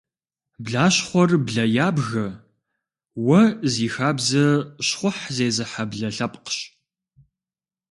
Блащхъуэр блэ ябгэ, уэ зи хабзэ, щхъухь зезыхьэ блэ лъэпкъщ.